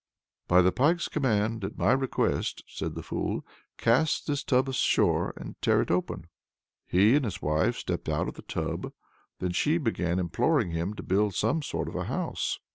"By the Pike's command, at my request," said the fool, "cast this tub ashore and tear it open!" He and his wife stepped out of the tub. Then she again began imploring him to build some sort of a house.